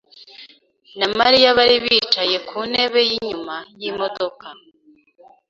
na Mariya bari bicaye ku ntebe yinyuma yimodoka.